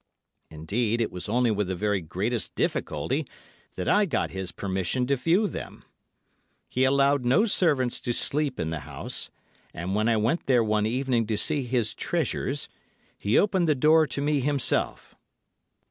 Indeed, it was only with the very greatest difficulty that I got his permission to view them. He allowed no servants to sleep in the house, and when I went there one evening to see his treasures, he opened the door to me himself.